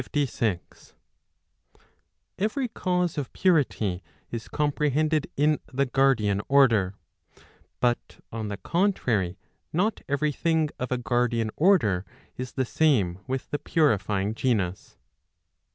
OF THEOLOGY. 405 PROPOSITION CLVI. Every cause of purity is comprehended in the guardian order. But on the contrary, not every thing of a guardian order is the same with the purifying genus.